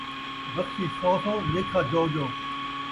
بخشش سو سو لیکھا جو جو